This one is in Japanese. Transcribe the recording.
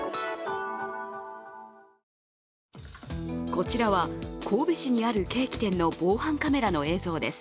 こちらは神戸市にあるケーキ店の防犯カメラの映像です。